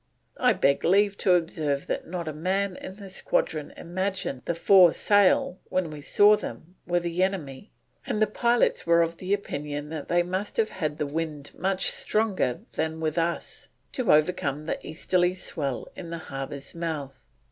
I beg leave to observe that not a man in the squadron imagined the four sail, when we saw them, were the enemy; and the pilots were of opinion that they must have had the wind much stronger than with us to overcome the easterly swell in the harbour's mouth.